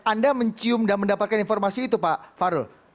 anda mencium dan mendapatkan informasi itu pak farul